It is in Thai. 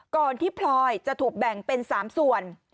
ก่อนที่พลอยจะถูกแบ่งเป็น๓ส่วน